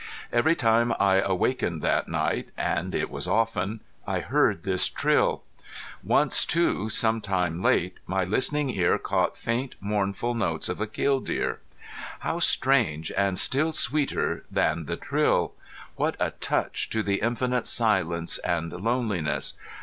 Every time I awakened that night, and it was often, I heard this trill. Once, too, sometime late, my listening ear caught faint mournful notes of a killdeer. How strange, and still sweeter than the trill! What a touch to the infinite silence and loneliness!